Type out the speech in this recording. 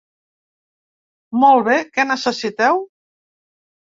Molt bé, què necessiteu?